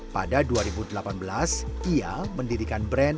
pada dua ribu delapan belas ia mendidikan brand ransac